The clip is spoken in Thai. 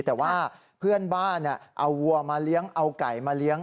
แต่ว่าเพื่อนบ้านเอาวัวมาเลี้ยงเอาไก่มาเลี้ยง